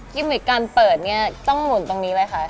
มิกการเปิดเนี่ยต้องหมุนตรงนี้ไหมคะ